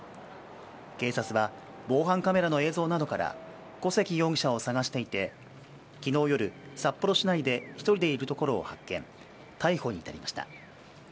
警察は防犯カメラの映像などから小関容疑者を探していて昨日夜、札幌市内で１人でいるところを発見逮捕に至りました。